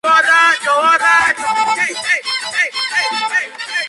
Durante los años que duró el ciclo, Monti ganó popularidad en televisión.